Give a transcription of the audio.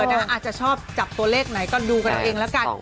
อาจจะชอบจับตัวเลขไหนก็ดูกันเอาเองแล้วกัน